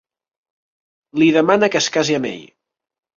Li demana que es casi amb ell.